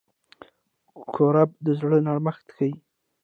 کوربه د زړه نرمښت ښيي.